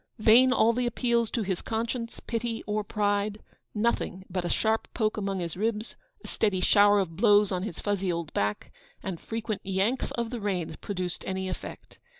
Vain all the appeals to his conscience, pity, or pride: nothing but a sharp poke among his ribs, a steady shower of blows on his fuzzy old back, and frequent 'yanks' of the reins produced any effect.